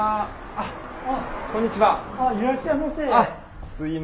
あっいらっしゃいませ。